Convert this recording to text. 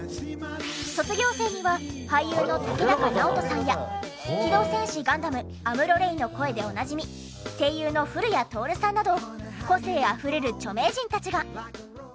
卒業生には俳優の竹中直人さんや『機動戦士ガンダム』アムロ・レイの声でおなじみ声優の古谷徹さんなど個性あふれる著名人たちが。